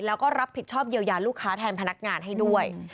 แล้วก็รับผิดชอบเยียวยาลูกค้าแทนพนักงานให้ด้วย